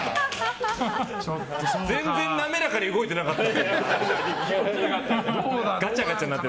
全然滑らかに動いてなかった。